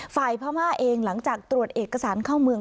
พม่าเองหลังจากตรวจเอกสารเข้าเมือง